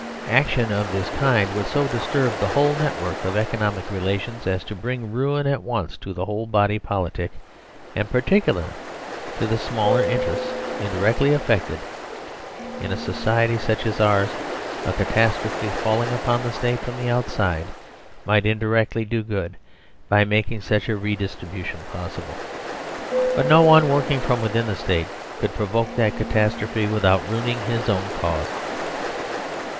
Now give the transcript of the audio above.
Action of this kind would so disturb the whole network of eco nomic relations as to bring ruin at once to the whole body politic, and particularly to the smaller interests indirectly affected. In a society such as ours a catas trophe falling upon the State from outside might in directly do good by making such a redistribution possible. But no one working from within the State could provoke that catastrophe without ruining his own cause.